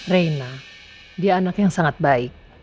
reina dia anak yang sangat baik